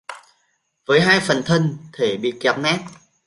với hai phần thân thể bị kẹp nát